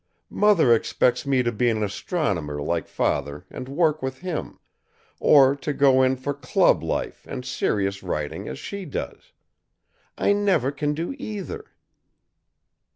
Mother expects me to be an astronomer like Father and work with him, or to go in for club life and serious writing as she does. I never can do either."